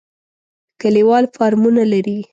کلیوال فارمونه لري.